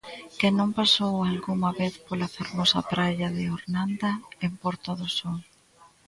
Quen non pasou algunha vez pola fermosa praia de Ornanda, en Porto do Son?